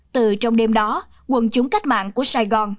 từ trong đêm đó quân chúng cách mạng của sài gòn